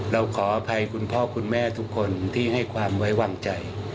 เราขออภัยคุณพ่อคุณแม่ทุกคนที่ให้ความไว้วางใจ